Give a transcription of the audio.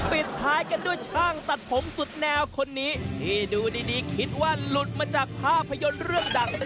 ปิดท้ายกันด้วยช่างตัดผมสุดแนวคนนี้ที่ดูดีคิดว่าหลุดมาจากภาพยนตร์เรื่องดัง